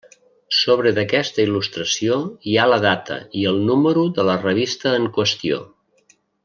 Sobre d'aquesta il·lustració hi ha la data i el número de la revista en qüestió.